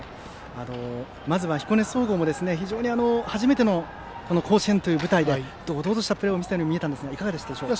まずは彦根総合も初めての甲子園という舞台で堂々としたプレーをしたように見えたんですが、いかがですか？